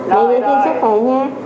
mẹ dạy cho em sức khỏe nha